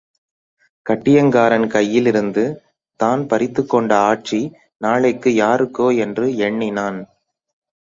கட்டியங்காரன் கையில் இருந்து தான் பறித்துக் கொண்ட ஆட்சி நாளைக்கு யாருக்கோ என்று என்ணினான்.